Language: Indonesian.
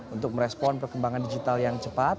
untuk merespon perkembangan digital yang cepat